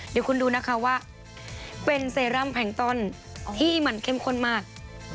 เดี๋ยวคุณดูนะคะว่าเป็นเซรั่มแพงต้นที่มันเข้มข้นมาก